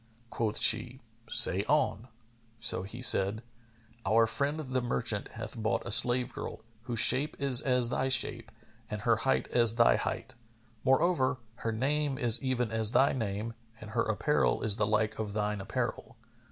Quoth she, "Say on"; so he said, "Our friend the merchant hath bought a slave girl, whose shape is as thy shape and her height as thy height; more over, her name is even as thy name and her apparel is the like of thine apparel.